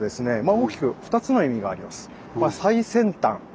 大きく２つの意味があります。